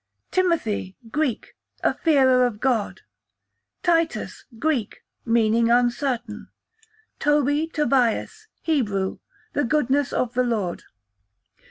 Timothy, Greek, a fearer of God. Titus, Greek, meaning uncertain. Toby / Tobias, Hebrew, the goodness of the Lord.